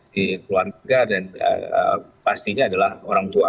di keluarga dan pastinya adalah orang tua